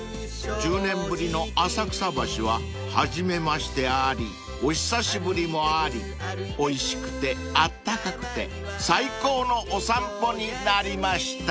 ［１０年ぶりの浅草橋は初めましてありお久しぶりもありおいしくてあったかくて最高のお散歩になりました］